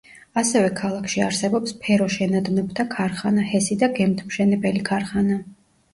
ასევე ქალაქში არსებობს ფეროშენადნობთა ქარხანა, ჰესი და გემთმშენებელი ქარხნა.